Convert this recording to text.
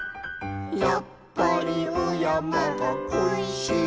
「やっぱりおやまがこいしいと」